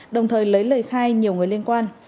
đồng thời lấy lời khai nhiều người liên quan